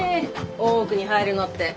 大奥に入るのって。